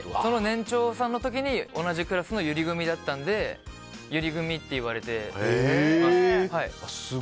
年長さんの時に同じクラスのゆり組だったのでゆり組って言われてます。